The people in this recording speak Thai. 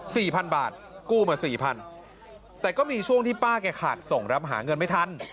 สี่พันบาทกู้มาสี่พันแต่ก็มีช่วงที่ป้าแกขาดส่งรับหาเงินไม่ทัน